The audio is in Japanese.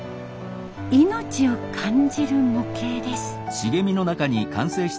命を感じる模型です。